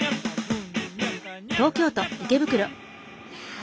あ